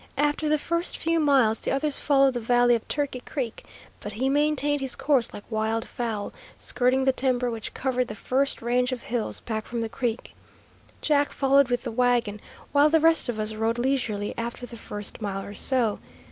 After the first few miles, the others followed the valley of Turkey Creek, but he maintained his course like wild fowl, skirting the timber which covered the first range of hills back from the creek. Jack followed with the wagon, while the rest of us rode leisurely, after the first mile or so.